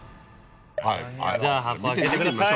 じゃあ箱開けてください。